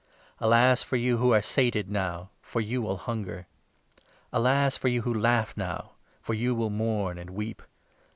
Alas for you who are sated now, for you will hunger. 25 Alas for you who laugh now, for you will mourn and weep.